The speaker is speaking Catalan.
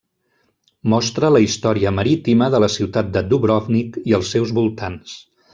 Mostra la història marítima de la ciutat de Dubrovnik i els seus voltants.